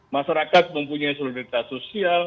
masyarakat mempunyai solidaritas sosial